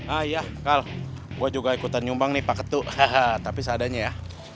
ah iya aikal gue juga ikutan nyumbang nih pak ketu haha tapi seadanya ya